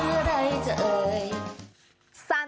มันช้าง